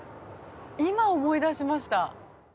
今思い出しました。